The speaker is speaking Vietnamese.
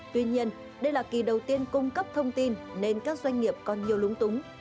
tuy nhiên đây là kỳ đầu tiên cung cấp thông tin nên các doanh nghiệp còn nhiều lúng túng